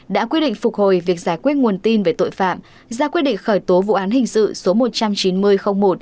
đã quyết định phục hồi việc giải quyết nguồn tin về tội phạm ra quyết định khởi tố vụ án hình sự số một trăm chín mươi một